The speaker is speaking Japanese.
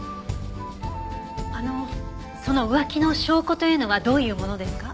あのその浮気の証拠というのはどういう物ですか？